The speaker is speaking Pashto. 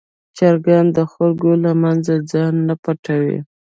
چرګان د خلکو له منځه ځان نه پټوي.